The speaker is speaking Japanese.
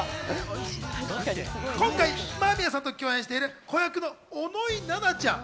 今回、間宮さんと共演している子役の小野井奈々ちゃん。